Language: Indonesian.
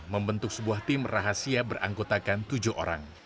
membentuk sebuah tim rahasia beranggotakan tujuh orang